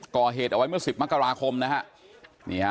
ก่อเหตุเอาไว้เมื่อ๑๐มกราคมนะฮะ